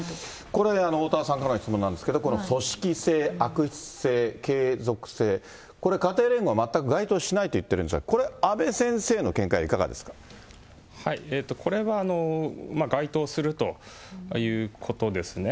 これ、おおたわさんからの質問なんですけど、この組織性、悪質性、継続性、これ家庭連合は全く該当しないといっているんですが、これ、阿部これは該当するということですね。